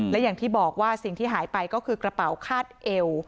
และอย่างที่บอกว่าสิ่งที่หายไปก็คือกระเป๋าคาดเอว